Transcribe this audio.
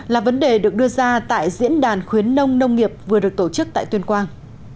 là vấn đề được đưa ra tại diễn đàn khuyến nông nông nghiệp vừa được tổ chức tại tuyên quang